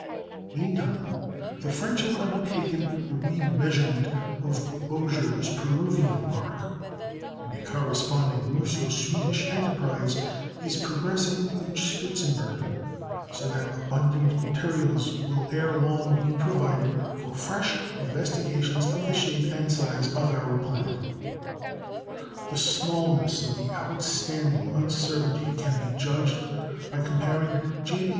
Meantime, the French have undertaken the remeasurement of Bouguer's Peruvian arc, and a corresponding Russo Swedish enterprise is progressing in Spitzbergen; so that abundant materials will ere long be provided for fresh investigations of the shape and size of our planet. The smallness of the outstanding uncertainty can be judged of by comparing J. B.